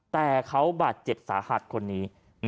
แต่เขาบาดเจ็บสาหัสคนนี้